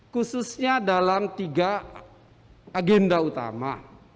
khususnya dalam tiga agenda utama